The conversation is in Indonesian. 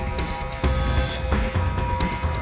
ketemu lagi di film